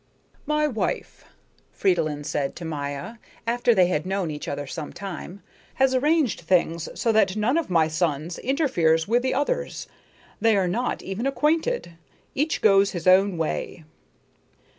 "My wife," Fridolin said to Maya, after they had known each other some time, "has arranged things so that none of my sons interferes with the others. They are not even acquainted; each goes his own way."